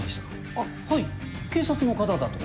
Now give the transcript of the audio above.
あっはい警察の方だと。